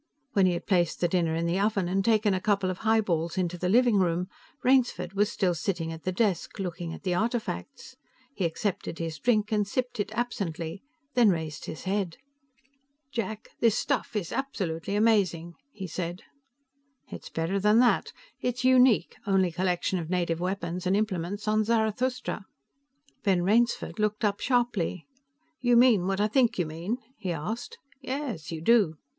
When he had placed the dinner in the oven and taken a couple of highballs into the living room, Rainsford was still sitting at the desk, looking at the artifacts. He accepted his drink and sipped it absently, then raised his head. "Jack, this stuff is absolutely amazing," he said. "It's better than that. It's unique. Only collection of native weapons and implements on Zarathustra." Ben Rainsford looked up sharply. "You mean what I think you mean?" he asked. "Yes; you do."